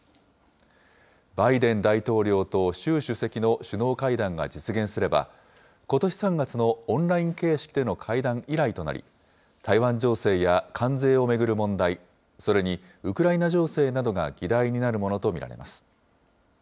バイデン大統領と習主席の首脳会談が実現すれば、ことし３月のオンライン形式での会談以来となり、台湾情勢や関税を巡る問題、それにウクライナ情勢などが議題になるものと見られます。